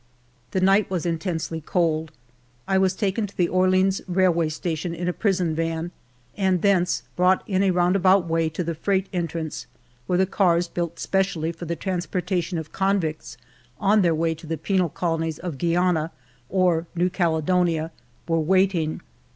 The night was in tensely cold. I was taken to the Orleans rail way station in a prison van, and thence brought in a roundabout way to the freight entrance, where the cars built specially for the transporta tion of convicts on their way to the penal colonies of Guiana or New Caledonia were waiting.